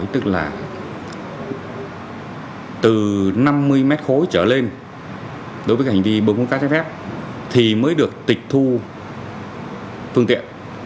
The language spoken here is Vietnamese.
tức là từ năm mươi mét khối trở lên đối với hành vi bơm hút cát trái phép thì mới được tịch thu phương tiện